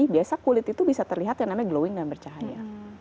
biasa kulit itu bisa terlihat yang namanya glowing dan bercahaya